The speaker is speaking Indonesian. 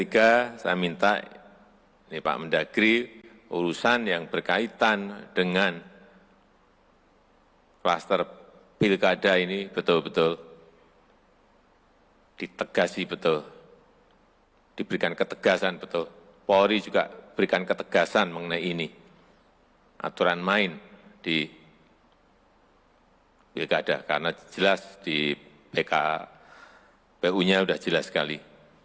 ketegasan betul polri juga berikan ketegasan mengenai ini aturan main di pilkada karena jelas di pkpu nya sudah jelas sekali